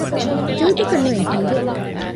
ޖޫދަކަށް ނުއެއް ހިނގެ